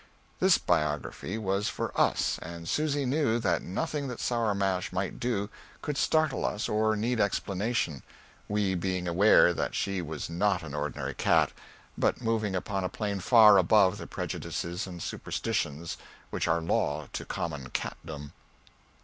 This Biography was for us, and Susy knew that nothing that Sour Mash might do could startle us or need explanation, we being aware that she was not an ordinary cat, but moving upon a plane far above the prejudices and superstitions which are law to common catdom.